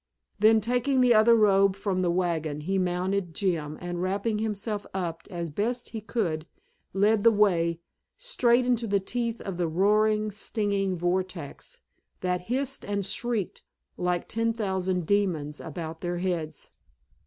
Then taking the other robe from the wagon he mounted Jim, and wrapping himself up as best he could led the way straight into the teeth of the roaring, stinging vortex, that hissed and shrieked like ten thousand demons about their heads.